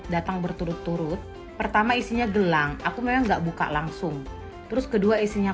datang berturut turut pertama isinya gelang aku memang enggak buka langsung terus kedua isinya